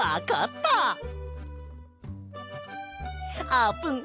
あーぷん